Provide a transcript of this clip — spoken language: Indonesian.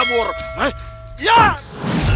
aku harus melihat mereka